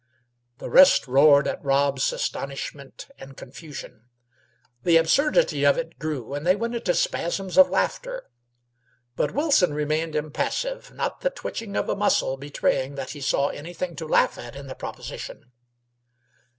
The rest roared at Rob's astonishment and confusion. The absurdity of it grew, and they went into spasms of laughter. But Wilson remained impassive, not the twitching of a muscle betraying that he saw anything to laugh at in the proposition.